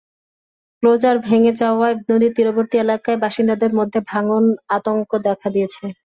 Closure ভেঙে যাওয়ায় নদীর তীরবর্তী এলাকার বাসিন্দাদের মধ্যে ভাঙন আতঙ্ক দেখা দিয়েছে।